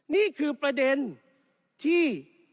นี่คือประเด็นที่